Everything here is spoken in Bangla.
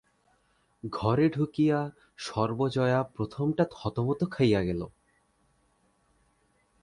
ঘরে ঢুকিয়া সর্বজয়া প্রথমটা থতমত খাইয়া গেল।